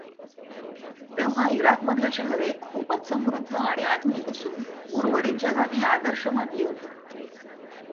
तेव्हा इराकमधील शहरे खूपच समृद्ध आणि आधुनिक असून उर्वरित जगाने आदर्श मानली होती.